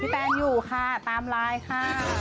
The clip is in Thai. แฟนอยู่ค่ะตามไลน์ค่ะ